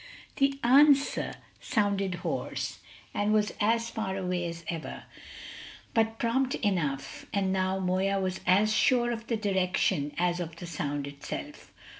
The answer sounded hoarse, and was as far away as ever; but prompt enough; and now Moya was as sure of the direction as of the sound itself.